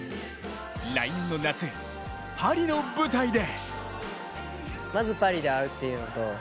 来年の夏、パリの舞台で。